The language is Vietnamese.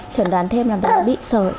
chẩn đoán thêm là bệnh bị sởi